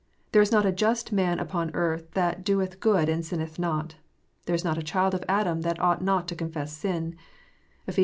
There is not a just man upon earth that doeth good and sinneth not. There is not a child of Adam that ought not to confess sin. (Eph. ii.